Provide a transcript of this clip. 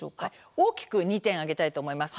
大きく２点挙げたいと思います。